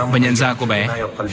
và nhận ra cô bé